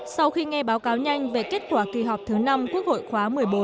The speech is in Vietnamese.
sau khi nghe báo cáo nhanh về kết quả kỳ họp thứ năm quốc hội khóa một mươi bốn